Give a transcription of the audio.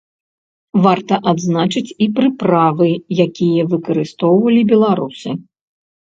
Варта адзначыць і прыправы, якія выкарыстоўвалі беларусы.